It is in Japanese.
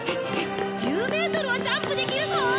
１０メートルはジャンプできるぞ！